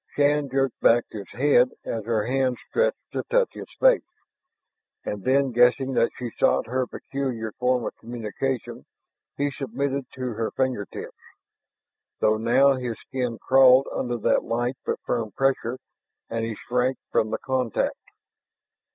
Shann jerked back his head as her hand stretched to touch his face. And then, guessing that she sought her peculiar form of communication, he submitted to her finger tips, though now his skin crawled under that light but firm pressure and he shrank from the contract.